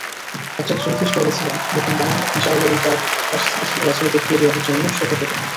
একজন জ্যোতিষ বলেছিলেন, নতুন বানান জয়ললিতার অস্থিতিশীল রাজনৈতিক ক্যারিয়ারের জন্য শুভ হবে।